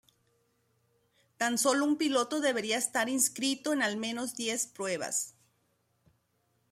Tan sólo un piloto debería estar inscrito en al menos diez pruebas.